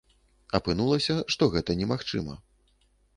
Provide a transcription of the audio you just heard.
Апынулася, што гэта немагчыма.